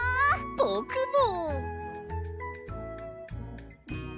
ぼくも！